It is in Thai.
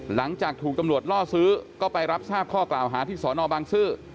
หลังจากถูกตำรวจล่อซื้อก็ไปรับทราบข้อกล่าวหาที่สอนอบางซื่อ